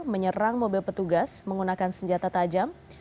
menyerang mobil petugas menggunakan senjata tajam